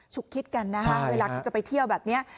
ฉุกคิดกันนะคะเวลาจะไปเที่ยวแบบนี้